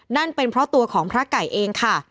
นั่นเป็นเพราะตัวของพระไก่เองค่ะ